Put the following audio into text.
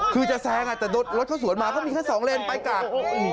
คือจะแซงแต่รถเขาสวนมาเขามีแค่สองเลนไปกลับ